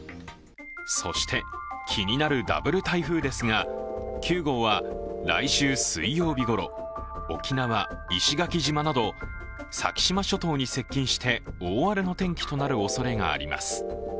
そして気になるダブル台風ですが９号は来週水曜日ごろ、沖縄、石垣島など、先島諸島に接近して大荒れとなる天気となるおそれがあります。